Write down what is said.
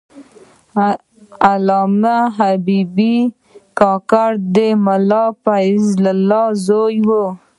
علامه حبیب الله کاکړ د ملا فیض الله زوی و.